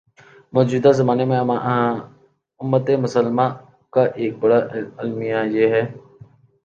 موجودہ زمانے میں امتِ مسلمہ کا ایک بڑا المیہ یہ ہے